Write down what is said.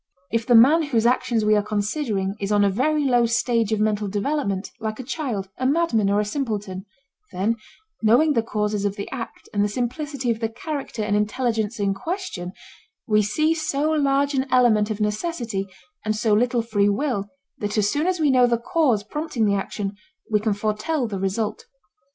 If the man whose actions we are considering is on a very low stage of mental development, like a child, a madman, or a simpleton—then, knowing the causes of the act and the simplicity of the character and intelligence in question, we see so large an element of necessity and so little free will that as soon as we know the cause prompting the action we can foretell the result.